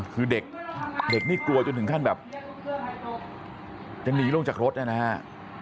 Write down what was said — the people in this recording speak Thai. คือเด็กนี่กลัวจนถึงขั้นแบบจะหนีลงจากรถนะฮะ